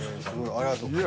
ありがとう。